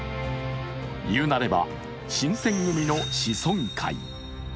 言うなれば新選組の子孫会。